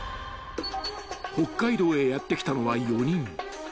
［北海道へやって来たのは４人］